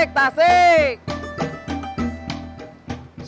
tasi tasi tasi